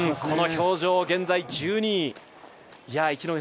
この表情、現在１２位。